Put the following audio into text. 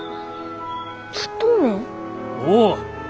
おう！